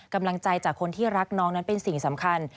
กำลังใจจากคนที่รักน้องนั้นเป็นสิ่งสำคัญ